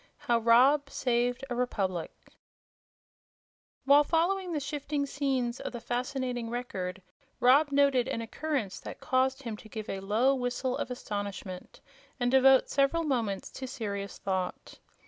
How Rob Saved A Republic While following the shifting scenes of the fascinating Record Rob noted an occurrence that caused him to give a low whistle of astonishment and devote several moments to serious thought.